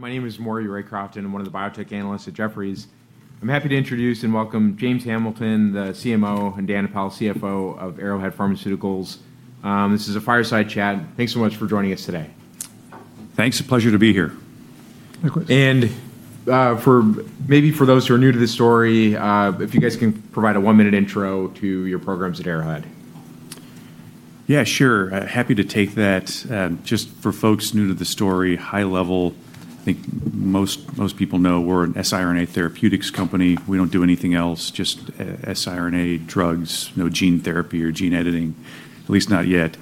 My name is Maury Raycroft, and I'm one of the biotech analysts at Jefferies. I'm happy to introduce and welcome James Hamilton, the CMO, and Daniel Apel, CFO of Arrowhead Pharmaceuticals. This is a fireside chat. Thanks so much for joining us today. Thanks. A pleasure to be here. Of course. Maybe for those who are new to this story, if you guys can provide a one-minute intro to your programs at Arrowhead. Sure. Happy to take that. Just for folks new to the story, high level, I think most people know we're an siRNA therapeutics company. We don't do anything else, just siRNA drugs. No gene therapy or gene editing, at least not yet.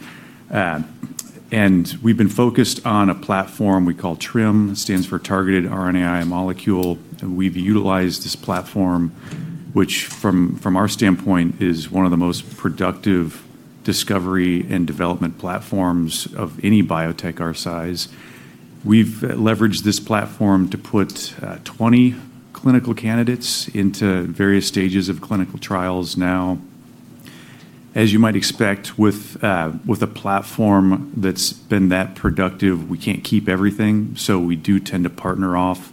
We've been focused on a platform we call TRiM, stands for Targeted RNAi Molecule. We've utilized this platform, which from our standpoint, is one of the most productive discovery and development platforms of any biotech our size. We've leveraged this platform to put 20 clinical candidates into various stages of clinical trials now. As you might expect with a platform that's been that productive, we can't keep everything, so we do tend to partner off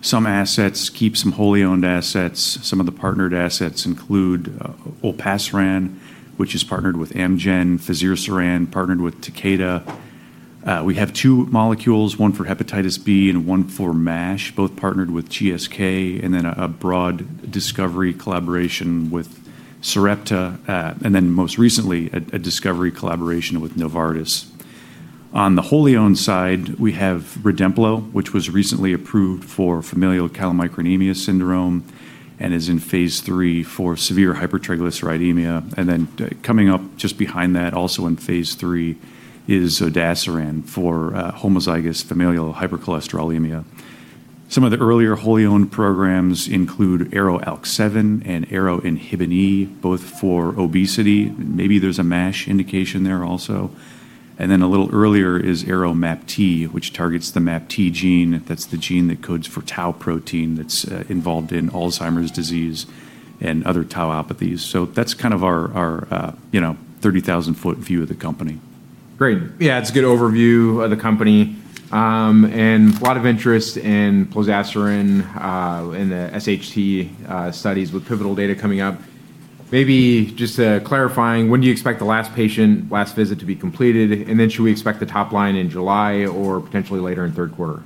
some assets, keep some wholly owned assets. Some of the partnered assets include olpasiran, which is partnered with Amgen, fazirsiran, partnered with Takeda. We have two molecules, one for hepatitis B and one for MASH, both partnered with GSK, and then a broad discovery collaboration with Sarepta, and then most recently, a discovery collaboration with Novartis. On the wholly owned side, we have REDEMPLO, which was recently approved for familial chylomicronemia syndrome and is in phase III for severe hypertriglyceridemia. Coming up just behind that, also in phase III, is zodasiran for homozygous familial hypercholesterolemia. Some of the earlier wholly owned programs include ARO-ALK7 and ARO-INHBE, both for obesity. Maybe there's a MASH indication there also. A little earlier is ARO-MAPT, which targets the MAPT gene. That's the gene that codes for tau protein that's involved in Alzheimer's disease and other tauopathies. That's our 30,000-foot view of the company. Great. Yeah, it's a good overview of the company. A lot of interest in plozasiran in the SHTG studies with pivotal data coming up. Maybe just clarifying, when do you expect the last patient, last visit to be completed? Should we expect the top line in July or potentially later in the third quarter?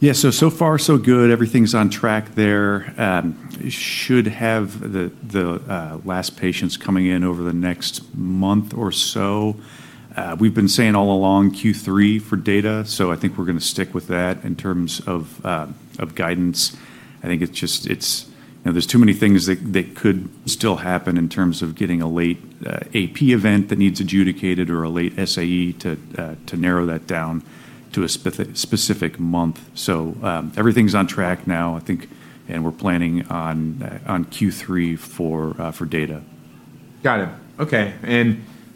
Yeah. So far so good. Everything's on track there. We should have the last patients coming in over the next month or so. We've been saying all along Q3 for data, so I think we're going to stick with that in terms of guidance. I think there's too many things that could still happen in terms of getting a late AP event that needs adjudicated or a late SAE to narrow that down to a specific month. Everything's on track now, I think, and we're planning on Q3 for data. Got it. Okay.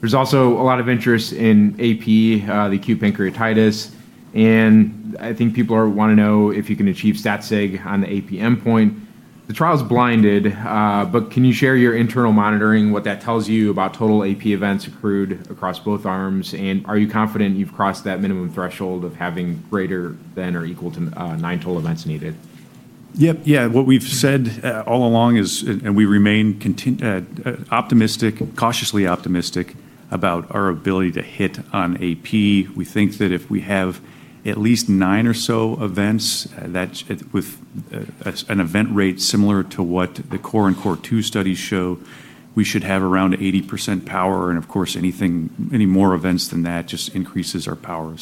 There's also a lot of interest in AP, the acute pancreatitis, and I think people want to know if you can achieve stat sig on the APM point. The trial's blinded, but can you share your internal monitoring, what that tells you about total AP events accrued across both arms? Are you confident you've crossed that minimum threshold of having greater than or equal to nine total events needed? Yeah. What we've said all along is, and we remain cautiously optimistic about our ability to hit on AP. We think that if we have at least nine or so events, with an event rate similar to what the CORE and CORE2 studies show, we should have around 80% power, and of course, any more events than that just increases our power.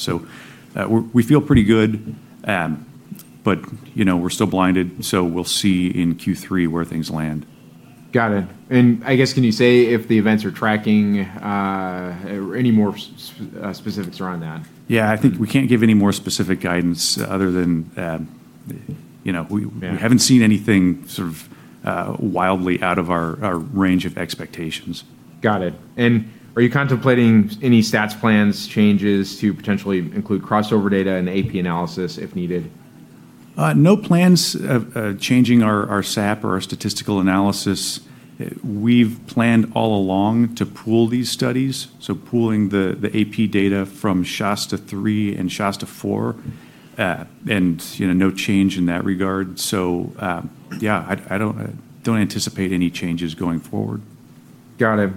We feel pretty good, but we're still blinded, so we'll see in Q3 where things land. Got it. I guess, can you say if the events are tracking, or any more specifics around that? I think we can't give any more specific guidance other than we haven't seen anything sort of wildly out of our range of expectations. Got it. Are you contemplating any stats plans changes to potentially include crossover data and AP analysis if needed? No plans of changing our SAP or our statistical analysis. We've planned all along to pool these studies, so pooling the AP data from SHASTA-3 and SHASTA-4, and no change in that regard. Yeah, I don't anticipate any changes going forward. Got it.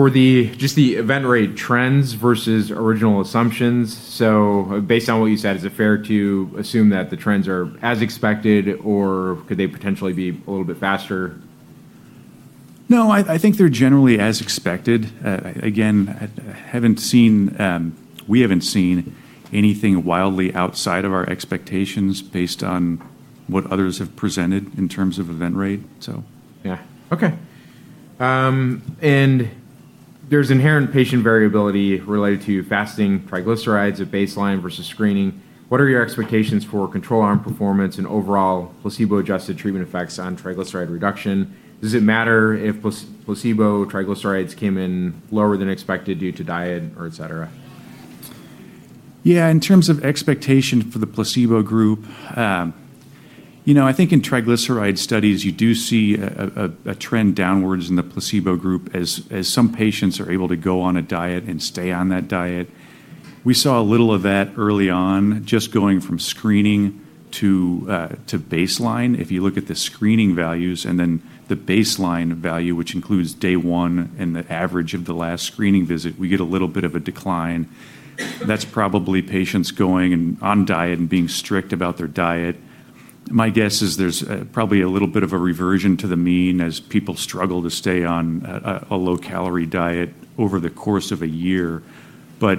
For just the event rate trends versus original assumptions, so based on what you said, is it fair to assume that the trends are as expected, or could they potentially be a little bit faster? No, I think they're generally as expected. Again, we haven't seen anything wildly outside of our expectations based on what others have presented in terms of event rate. Yeah. Okay. There's inherent patient variability related to fasting triglycerides at baseline versus screening. What are your expectations for control arm performance and overall placebo-adjusted treatment effects on triglyceride reduction? Does it matter if placebo triglycerides came in lower than expected due to diet or et cetera? Yeah, in terms of expectation for the placebo group. I think in triglyceride studies, you do see a trend downwards in the placebo group as some patients are able to go on a diet and stay on that diet. We saw a little of that early on, just going from screening to baseline. If you look at the screening values and then the baseline value, which includes day one and the average of the last screening visit, we get a little bit of a decline. That's probably patients going on diet and being strict about their diet. My guess is there's probably a little bit of a reversion to the mean as people struggle to stay on a low-calorie diet over the course of a year. A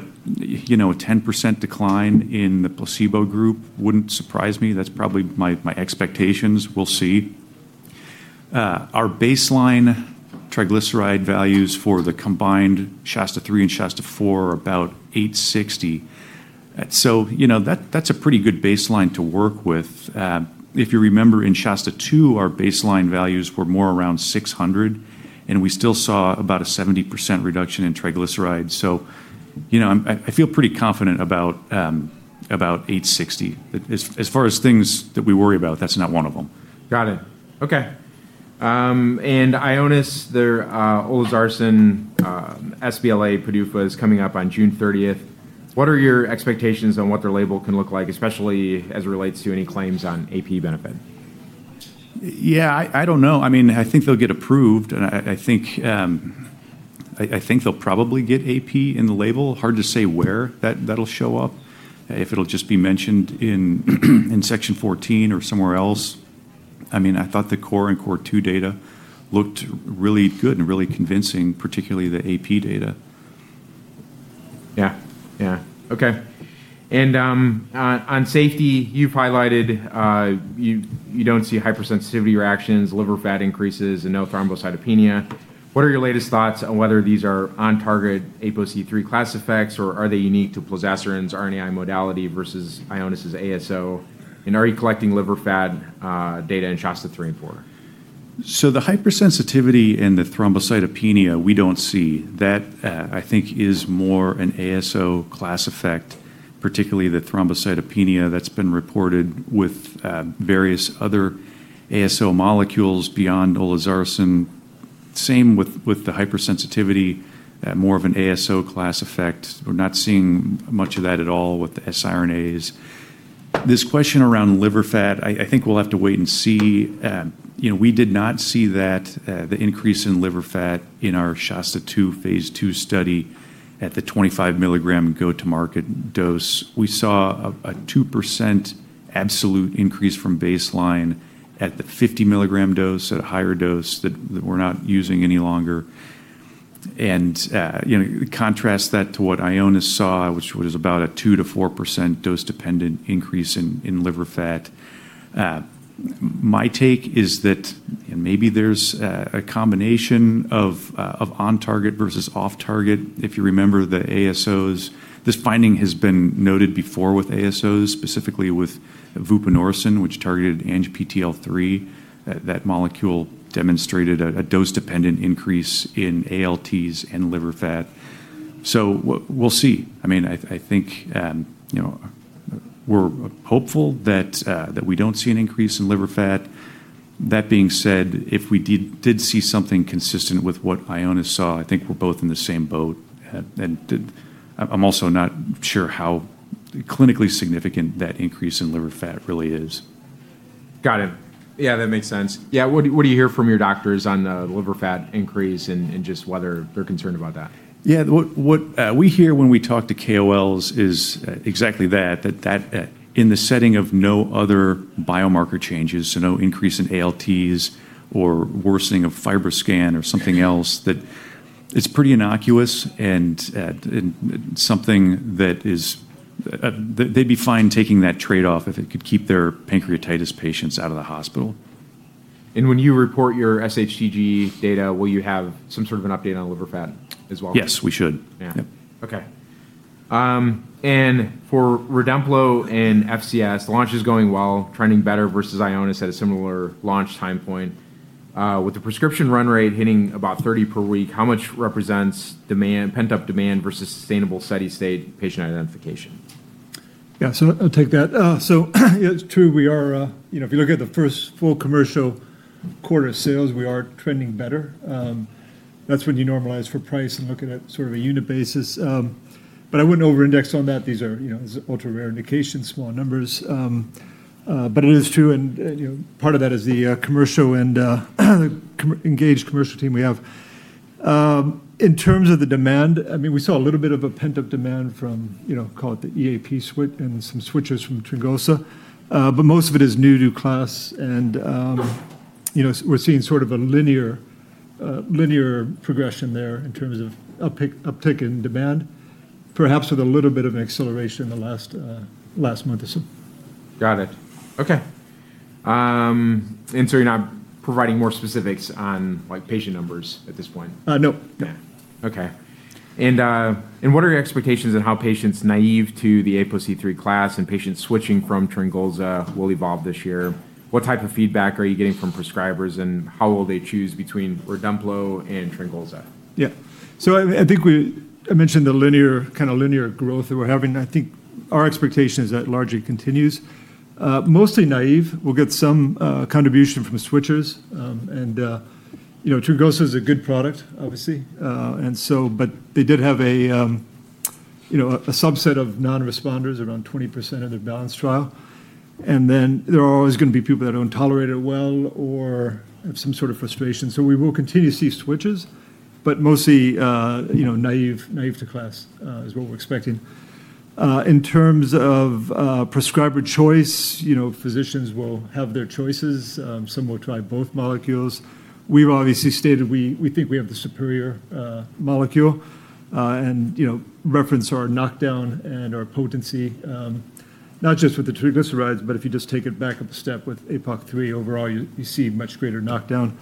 10% decline in the placebo group wouldn't surprise me. That's probably my expectations. We'll see. Our baseline triglyceride values for the combined SHASTA-3 and SHASTA-4 are about 860. That's a pretty good baseline to work with. If you remember, in SHASTA-2, our baseline values were more around 600, and we still saw about a 70% reduction in triglycerides. I feel pretty confident about 860. As far as things that we worry about, that's not one of them. Got it. Okay. Ionis, their olezarsen sBLA PDUFA is coming up on June 30th. What are your expectations on what their label can look like, especially as it relates to any claims on AP benefit? Yeah, I don't know. I think they'll get approved, and I think they'll probably get AP in the label. Hard to say where that'll show up, if it'll just be mentioned in section 14 or somewhere else. I thought the CORE and CORE2 data looked really good and really convincing, particularly the AP data. Yeah. Okay. On safety, you've highlighted you don't see hypersensitivity reactions, liver fat increases, and no thrombocytopenia. What are your latest thoughts on whether these are on-target APOC3 class effects, or are they unique to plozasiran's RNAi modality versus Ionis' ASO? Are you collecting liver fat data in SHASTA-3 and SHASTA-4? The hypersensitivity and the thrombocytopenia, we don't see. That, I think, is more an ASO class effect, particularly the thrombocytopenia that's been reported with various other ASO molecules beyond olezarsen. Same with the hypersensitivity, more of an ASO class effect. We're not seeing much of that at all with the siRNAs. This question around liver fat, I think we'll have to wait and see. We did not see that, the increase in liver fat in our SHASTA-2 phase II study at the 25-milligram go-to-market dose. We saw a 2% absolute increase from baseline at the 50-milligram dose, at a higher dose that we're not using any longer. Contrast that to what Ionis saw, which was about a 2%-4% dose-dependent increase in liver fat. My take is that maybe there's a combination of on-target versus off-target. If you remember, the ASOs, this finding has been noted before with ASOs, specifically with vupanorsen, which targeted ANGPTL3. That molecule demonstrated a dose-dependent increase in ALTs and liver fat. We'll see. I think we're hopeful that we don't see an increase in liver fat. That being said, if we did see something consistent with what Ionis saw, I think we're both in the same boat. I'm also not sure how clinically significant that increase in liver fat really is. Got it. Yeah, that makes sense. Yeah, what do you hear from your doctors on the liver fat increase and just whether they're concerned about that? Yeah. What we hear when we talk to KOLs is exactly that in the setting of no other biomarker changes, so no increase in ALTs or worsening of FibroScan or something else, that it's pretty innocuous and something that they'd be fine taking that trade-off if it could keep their pancreatitis patients out of the hospital. When you report your SHTG data, will you have some sort of an update on liver fat as well? Yes, we should. Yeah. Okay. For REDEMPLO and FCS, the launch is going well, trending better versus Ionis at a similar launch time point. With the prescription run rate hitting about 30 per week, how much represents pent-up demand versus sustainable steady-state patient identification? I'll take that. It's true, if you look at the first full commercial quarter of sales, we are trending better. That's when you normalize for price and look at it sort of a unit basis. I wouldn't over-index on that. These are ultra-rare indications, small numbers. It is true, and part of that is the commercial end engaged commercial team we have. In terms of the demand, we saw a little bit of a pent-up demand from, call it the EAP switch and some switchers from TRYNGOLZA. Most of it is new to class, and we're seeing sort of a linear progression there in terms of uptick in demand, perhaps with a little bit of an acceleration in the last month or so. Got it. Okay. You're not providing more specifics on patient numbers at this point? No. Okay. What are your expectations on how patients naive to the APOC3 class and patients switching from TRYNGOLZA will evolve this year? What type of feedback are you getting from prescribers, and how will they choose between REDEMPLO and TRYNGOLZA? Yeah. I think I mentioned the linear growth that we're having. I think our expectation is that largely continues, mostly naive. We'll get some contribution from switchers. TRYNGOLZA is a good product, obviously. They did have a subset of non-responders, around 20% of their BALANCE trial. There are always going to be people that don't tolerate it well or have some sort of frustration. We will continue to see switches, but mostly naive to class is what we're expecting. In terms of prescriber choice, physicians will have their choices. Some will try both molecules. We've obviously stated we think we have the superior molecule, and reference our knockdown and our potency, not just with the triglycerides, but if you just take it back up a step with APOC3 overall, you see much greater knockdown.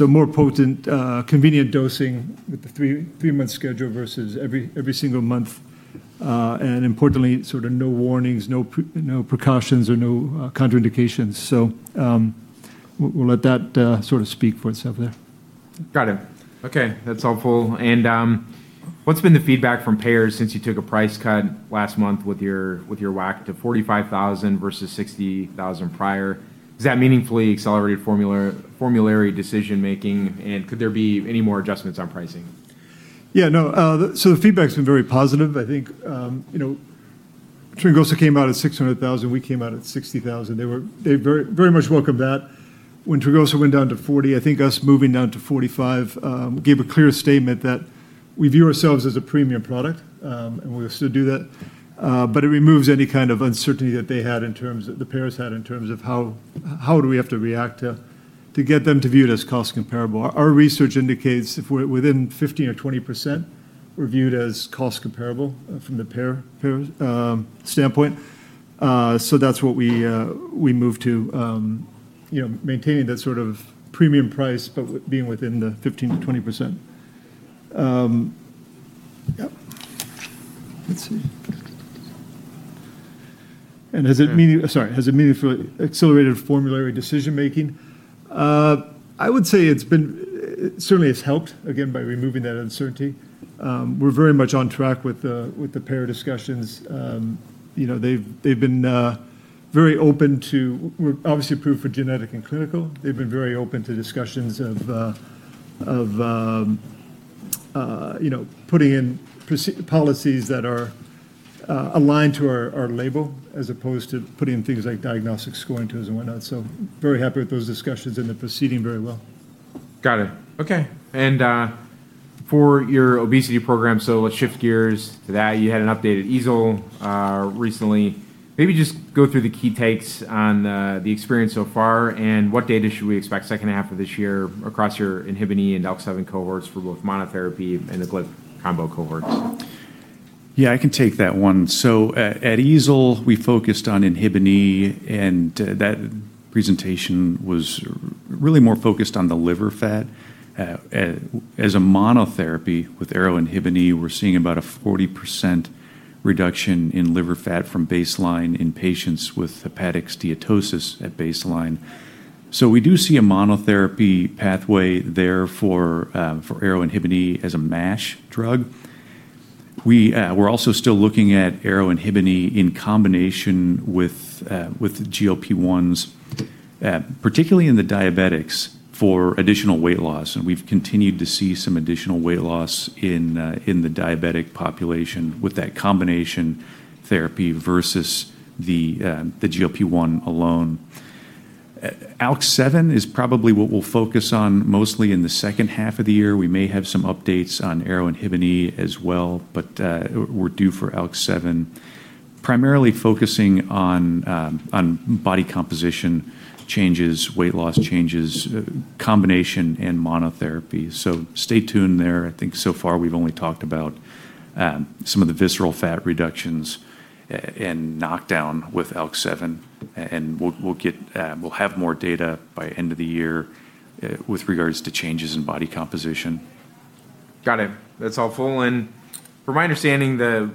More potent, convenient dosing with the three-month schedule versus every single month. Importantly, no warnings, no precautions, or no contraindications. We'll let that sort of speak for itself there. Got it. Okay. That's helpful. What's been the feedback from payers since you took a price cut last month with your WAC to $45,000 versus $60,000 prior? Does that meaningfully accelerate formulary decision making, and could there be any more adjustments on pricing? Yeah, no. The feedback's been very positive. I think TRYNGOLZA came out at $600,000. We came out at $60,000. They very much welcomed that. When TRYNGOLZA went down to $40, I think us moving down to $45 gave a clear statement that we view ourselves as a premium product, and we'll still do that. It removes any kind of uncertainty that the payers had in terms of how do we have to react to get them to view it as cost comparable. Our research indicates if we're within 15%-20%, we're viewed as cost comparable from the payer standpoint. That's what we move to, maintaining that sort of premium price, but being within the 15%-20%. Yep. Let's see. Sorry. Has it meaningfully accelerated formulary decision making? I would say it certainly has helped, again, by removing that uncertainty. We're very much on track with the payer discussions. We're obviously approved for genetic and clinical. They've been very open to discussions of putting in policies that are aligned to our label as opposed to putting in things like diagnostics, score intros, and whatnot. Very happy with those discussions and they're proceeding very well. Got it. Okay. For your obesity program, so let's shift gears to that. You had an updated EASL recently. Maybe just go through the key takes on the experience so far and what data should we expect second half of this year across your ARO-INHBE and ALK-7 cohorts for both monotherapy and the GLP combo cohorts? Yeah, I can take that one. At EASL, we focused on INHBE, and that presentation was really more focused on the liver fat. As a monotherapy with ARO-INHBE, we're seeing about a 40% reduction in liver fat from baseline in patients with hepatic steatosis at baseline. We do see a monotherapy pathway there for ARO-INHBE as a MASH drug. We're also still looking at ARO-INHBE in combination with GLP-1s, particularly in the diabetics for additional weight loss, and we've continued to see some additional weight loss in the diabetic population with that combination therapy versus the GLP-1 alone. ALK-7 is probably what we'll focus on mostly in the second half of the year. We may have some updates on ARO-INHBE as well, but we're due for ALK-7, primarily focusing on body composition changes, weight loss changes, combination, and monotherapy. Stay tuned there. I think so far we've only talked about some of the visceral fat reductions and knockdown with ARO-ALK7, and we'll have more data by end of the year with regards to changes in body composition. Got it. That's helpful. From my understanding, the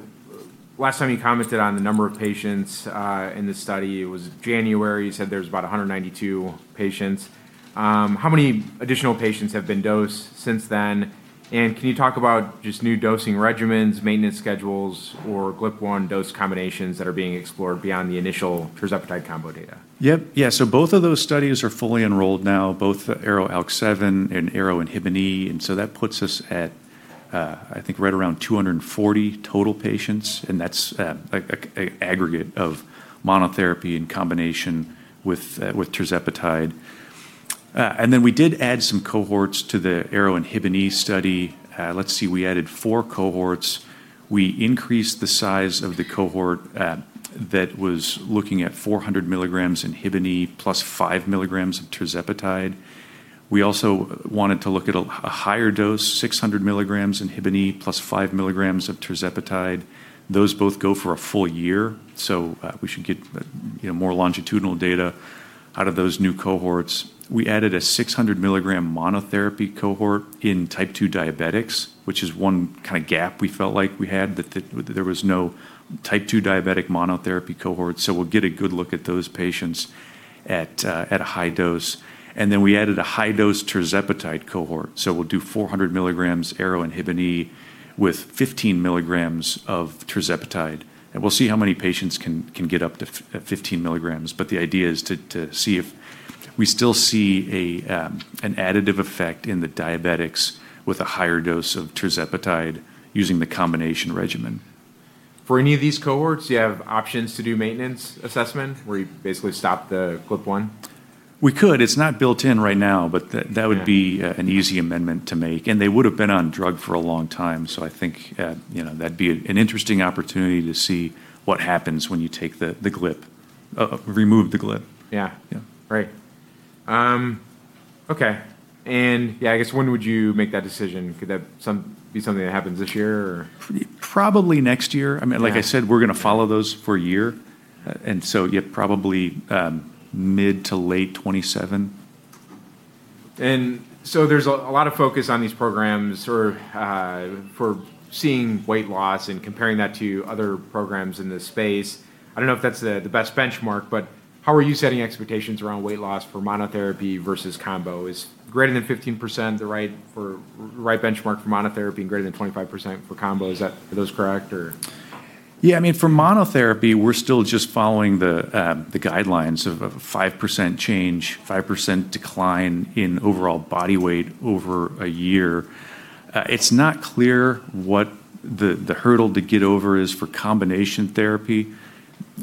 last time you commented on the number of patients in this study, it was January. You said there was about 192 patients. How many additional patients have been dosed since then? Can you talk about just new dosing regimens, maintenance schedules, or GLP-1 dose combinations that are being explored beyond the initial tirzepatide combo data? Yep. Yeah, both of those studies are fully enrolled now, both ARO-ALK7 and ARO-INHBE. That puts us at, I think, right around 240 total patients, and that's aggregate of monotherapy in combination with tirzepatide. We did add some cohorts to the ARO-INHBE study. Let's see, we added four cohorts. We increased the size of the cohort that was looking at 400 mg ARO-INHBE plus 5 mg of tirzepatide. We also wanted to look at a higher dose, 600 mg ARO-INHBE plus 5 mg of tirzepatide. Those both go for a full year, we should get more longitudinal data out of those new cohorts. We added a 600 mg monotherapy cohort in Type 2 Diabetics, which is one gap we felt like we had, that there was no Type 2 Diabetic monotherapy cohort. We'll get a good look at those patients at a high dose. We added a high-dose tirzepatide cohort. We'll do 400 mg ARO-INHBE with 15 mg of tirzepatide. We'll see how many patients can get up to 15 mg. The idea is to see if we still see an additive effect in the diabetics with a higher dose of tirzepatide using the combination regimen. For any of these cohorts, do you have options to do maintenance assessment where you basically stop the GLP-1? We could. It's not built in right now, but that would be an easy amendment to make. They would've been on drug for a long time. I think that'd be an interesting opportunity to see what happens when you remove the GLP-1. Yeah. Yeah. Right. Okay. I guess when would you make that decision? Could that be something that happens this year? Probably next year. Like I said, we're going to follow those for a year, probably mid to late 2027. There's a lot of focus on these programs for seeing weight loss and comparing that to other programs in this space. I don't know if that's the best benchmark, but how are you setting expectations around weight loss for monotherapy versus combo? Is greater than 15% the right benchmark for monotherapy and greater than 25% for combo? Are those correct, or? Yeah, for monotherapy, we're still just following the guidelines of a 5% change, 5% decline in overall body weight over one year. It's not clear what the hurdle to get over is for combination therapy.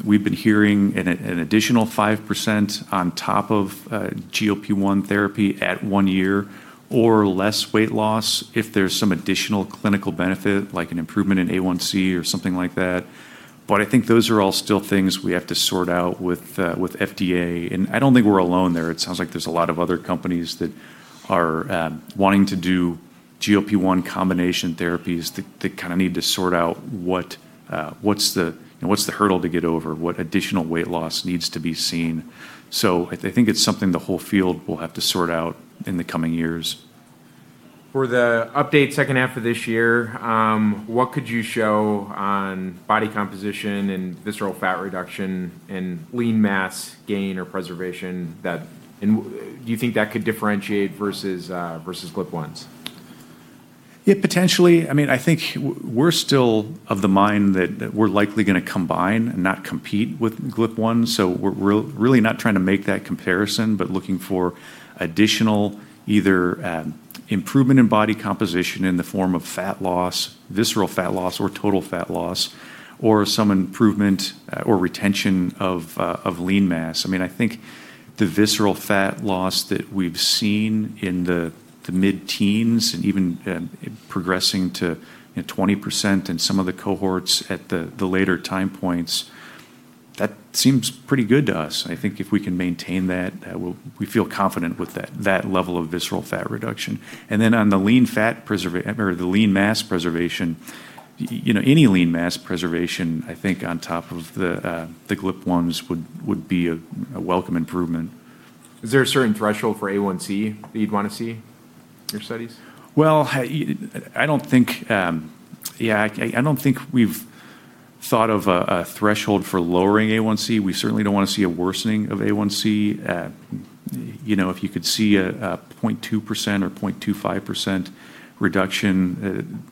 We've been hearing an additional 5% on top of GLP-1 therapy at one year, or less weight loss if there's some additional clinical benefit, like an improvement in A1C or something like that. I think those are all still things we have to sort out with FDA. I don't think we're alone there. It sounds like there's a lot of other companies that are wanting to do GLP-1 combination therapies that need to sort out what's the hurdle to get over, what additional weight loss needs to be seen. I think it's something the whole field will have to sort out in the coming years. For the update second half of this year, what could you show on body composition and visceral fat reduction and lean mass gain or preservation? Do you think that could differentiate versus GLP-1s? Yeah, potentially. I think we're still of the mind that we're likely going to combine and not compete with GLP-1. We're really not trying to make that comparison, but looking for additional, either improvement in body composition in the form of fat loss, visceral fat loss, or total fat loss, or some improvement or retention of lean mass. I think the visceral fat loss that we've seen in the mid-teens and even progressing to 20% in some of the cohorts at the later time points, that seems pretty good to us. I think if we can maintain that, we feel confident with that level of visceral fat reduction. Then on the lean mass preservation, any lean mass preservation, I think on top of the GLP-1s would be a welcome improvement. Is there a certain threshold for A1C that you'd want to see in your studies? Yeah, I don't think we've thought of a threshold for lowering A1C. We certainly don't want to see a worsening of A1C. If you could see a 0.2% or 0.25% reduction,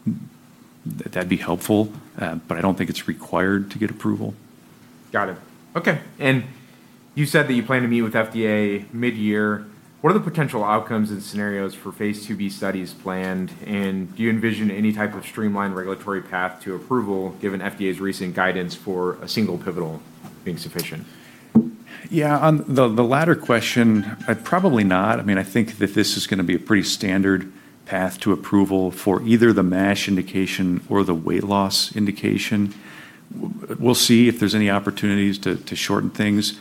that'd be helpful. I don't think it's required to get approval. Got it. Okay. You said that you plan to meet with FDA mid-year. What are the potential outcomes and scenarios for phase IIb studies planned, and do you envision any type of streamlined regulatory path to approval given FDA's recent guidance for a single pivotal being sufficient? On the latter question, probably not. I think that this is going to be a pretty standard path to approval for either the MASH indication or the weight loss indication. We'll see if there's any opportunities to shorten things.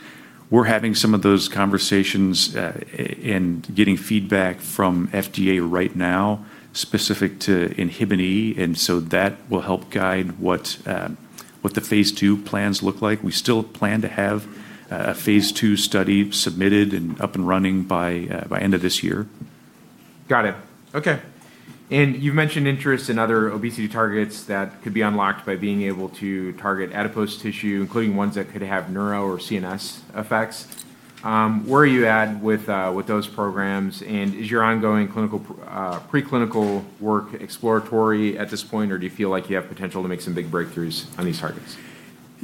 We're having some of those conversations, getting feedback from FDA right now specific to ARO-INHBE, that will help guide what the phase II plans look like. We still plan to have a phase II study submitted and up and running by end of this year. Got it. Okay. You mentioned interest in other obesity targets that could be unlocked by being able to target adipose tissue, including ones that could have neuro or CNS effects. Where are you at with those programs, and is your ongoing preclinical work exploratory at this point, or do you feel like you have potential to make some big breakthroughs on these targets?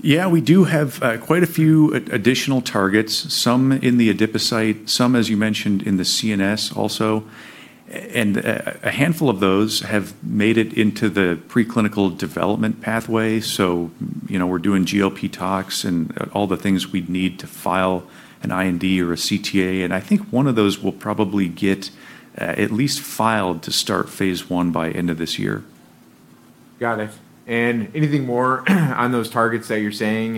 Yeah, we do have quite a few additional targets. Some in the adipocyte, some, as you mentioned, in the CNS also. A handful of those have made it into the preclinical development pathway. We're doing GLP tox and all the things we'd need to file an IND or a CTA, and I think one of those will probably get at least filed to start phase I by end of this year. Got it. Anything more on those targets that you're saying?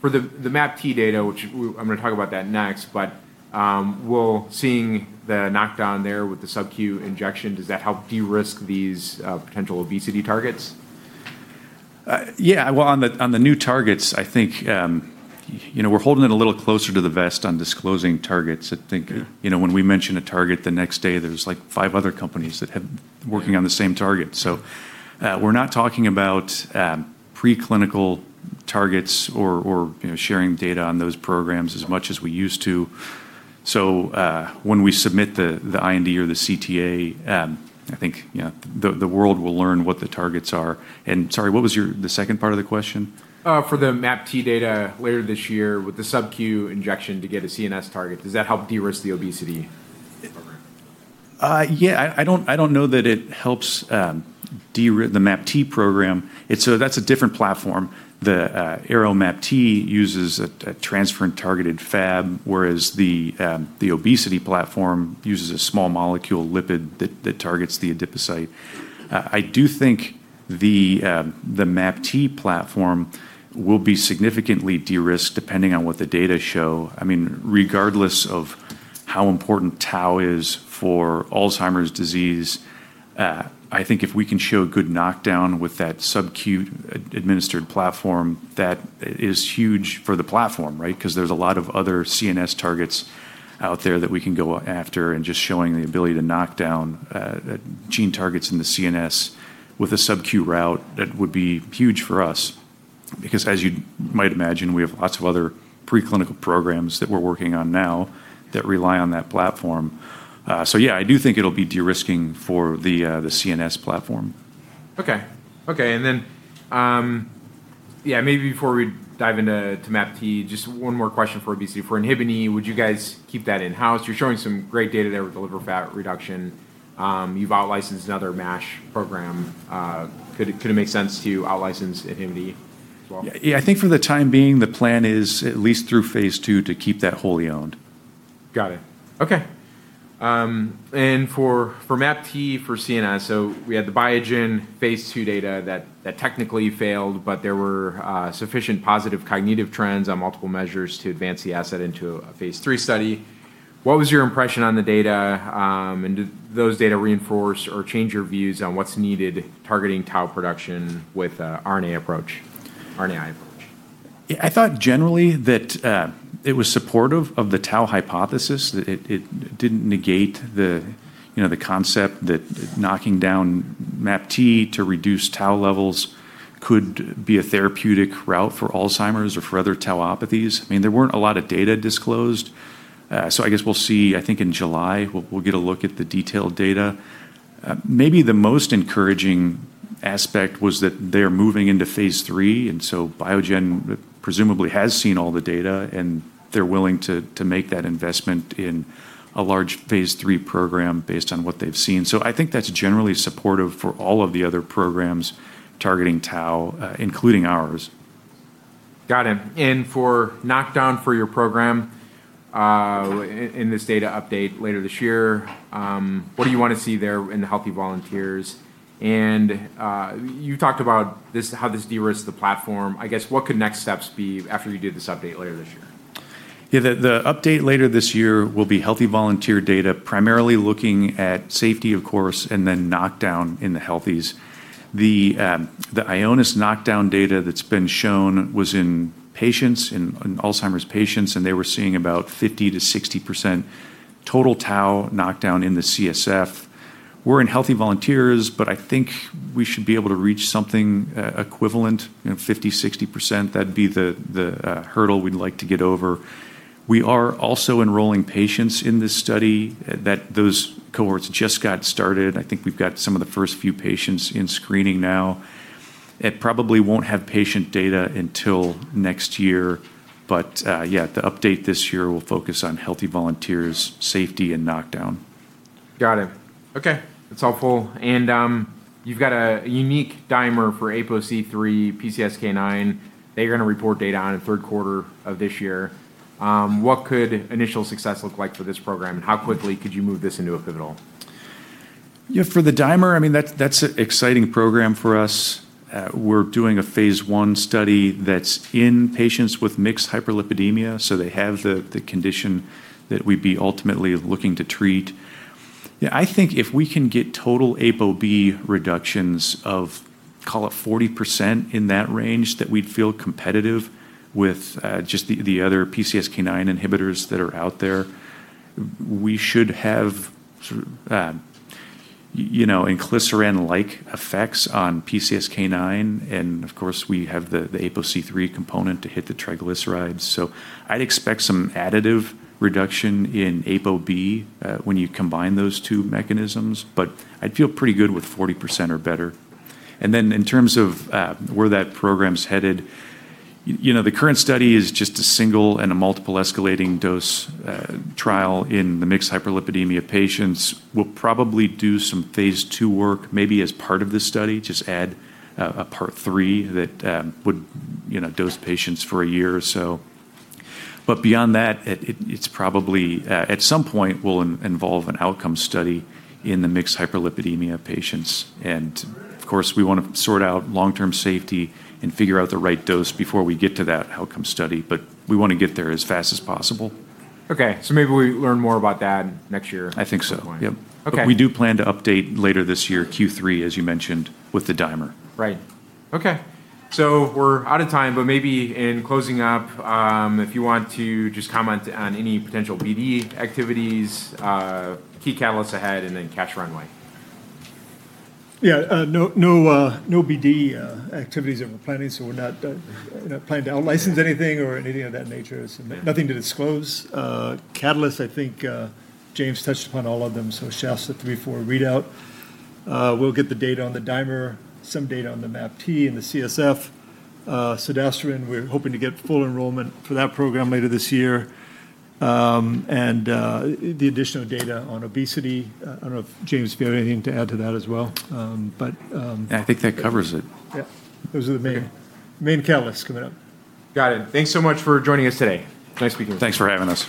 For the MAPT data, which I'm going to talk about that next, but will seeing the knockdown there with the subcu injection, does that help de-risk these potential obesity targets? Yeah. Well, on the new targets, I think we're holding it a little closer to the vest on disclosing targets. I think when we mention a target, the next day, there's like five other companies that have been working on the same target. We're not talking about preclinical targets or sharing data on those programs as much as we used to. When we submit the IND or the CTA, I think the world will learn what the targets are. Sorry, what was the second part of the question? For the MAPT data later this year with the subcu injection to get a CNS target, does that help de-risk the obesity? Yeah, I don't know that it helps the MAPT program. That's a different platform. The ARO-MAPT uses a transferrin-targeted Fab, whereas the obesity platform uses a small molecule lipid that targets the adipocyte. I do think the MAPT platform will be significantly de-risked depending on what the data show. Regardless of how important tau is for Alzheimer's disease, I think if we can show good knockdown with that subcu administered platform, that is huge for the platform, right? There's a lot of other CNS targets out there that we can go after, and just showing the ability to knock down gene targets in the CNS with a subcu route, that would be huge for us. As you might imagine, we have lots of other pre-clinical programs that we're working on now that rely on that platform. Yeah, I do think it'll be de-risking for the CNS platform. Okay. Maybe before we dive into MAPT, just one more question for obesity. For INHBE, would you guys keep that in-house? You're showing some great data there with liver fat reduction. You've out licensed another MASH program. Could it make sense to out license INHBE as well? Yeah. I think for the time being, the plan is at least through phase II to keep that wholly owned. Got it. Okay. For MAPT for CNS, we had the Biogen phase II data that technically failed, but there were sufficient positive cognitive trends on multiple measures to advance the asset into a phase III study. What was your impression on the data? Do those data reinforce or change your views on what's needed targeting tau production with a RNA approach, RNAi approach? Yeah, I thought generally that it was supportive of the tau hypothesis. It didn't negate the concept that knocking down MAPT to reduce tau levels could be a therapeutic route for Alzheimer's or for other tauopathies. There weren't a lot of data disclosed, so I guess we'll see, I think in July, we'll get a look at the detailed data. Maybe the most encouraging aspect was that they are moving into phase III, and so Biogen presumably has seen all the data, and they're willing to make that investment in a large phase III program based on what they've seen. I think that's generally supportive for all of the other programs targeting tau, including ours. Got it. For knockdown for your program in this data update later this year, what do you want to see there in the healthy volunteers? You talked about how this de-risks the platform. What could next steps be after you do this update later this year? Yeah, the update later this year will be healthy volunteer data, primarily looking at safety, of course, then knockdown in the healthies. The Ionis knockdown data that's been shown was in patients, in Alzheimer's patients. They were seeing about 50%-60% total tau knockdown in the CSF. We're in healthy volunteers. I think we should be able to reach something equivalent, 50%, 60%. That'd be the hurdle we'd like to get over. We are also enrolling patients in this study. Those cohorts just got started. I think we've got some of the first few patients in screening now. It probably won't have patient data until next year. The update this year will focus on healthy volunteers' safety and knockdown. Got it. Okay. That's helpful. You've got a unique dimer for APOC3 PCSK9 that you're going to report data on in third quarter of this year. What could initial success look like for this program, and how quickly could you move this into a pivotal? For the dimer, that's an exciting program for us. We're doing a phase I study that's in patients with mixed hyperlipidemia, so they have the condition that we'd be ultimately looking to treat. I think if we can get total ApoB reductions of, call it 40% in that range, that we'd feel competitive with just the other PCSK9 inhibitors that are out there. We should have inclisiran-like effects on PCSK9, and of course, we have the APOC3 component to hit the triglycerides. I'd expect some additive reduction in ApoB when you combine those two mechanisms, but I'd feel pretty good with 40% or better. In terms of where that program's headed, the current study is just a single and a multiple escalating dose trial in the mixed hyperlipidemia patients. We'll probably do some phase II work maybe as part of this study, just add a part three that would dose patients for a year or so. Beyond that, it's probably at some point will involve an outcome study in the mixed hyperlipidemia patients. Of course, we want to sort out long-term safety and figure out the right dose before we get to that outcome study, but we want to get there as fast as possible. Maybe we learn more about that next year. I think so, yep. Okay. We do plan to update later this year, Q3, as you mentioned, with the Dimer. Right. Okay. We're out of time. Maybe in closing up, if you want to just comment on any potential BD activities, key catalysts ahead, and then cash runway. No BD activities that we're planning, so we're not planning to out license anything or anything of that nature. Nothing to disclose. Catalysts, I think James touched upon all of them, SHASTA-3, SHASTA-4 readout. We'll get the data on the Dimer, some data on the MAPT and the CSF. Zodasiran, we're hoping to get full enrollment for that program later this year. The additional data on obesity, I don't know if, James, if you have anything to add to that as well. I think that covers it. Those are the main catalysts coming up. Got it. Thanks so much for joining us today. Thanks for having us.